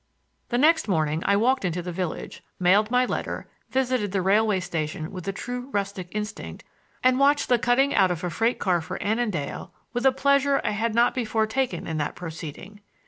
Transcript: The next morning I walked into the village, mailed my letter, visited the railway station with true rustic instinct and watched the cutting out of a freight car for Annandale with a pleasure I had not before taken in that proceeding.